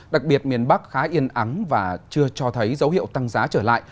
đặc biệt miền bắc khá yên ắng và chưa cho thấy dấu hiệu tăng giá trở lại